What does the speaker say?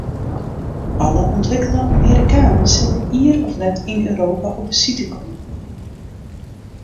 Alle ûntwikkele Amerikanen sille ier of let yn Europa op besite komme.